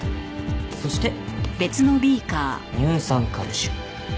そして乳酸カルシウム。